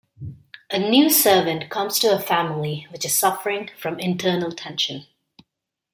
A new servant comes to a family which is suffering from internal tension.